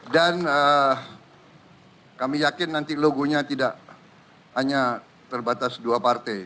dan kami yakin nanti logonya tidak hanya terbatas dua partai